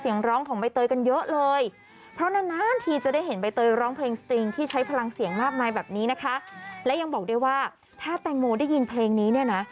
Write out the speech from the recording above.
อยู่ข้างชาติเหมือนเดิม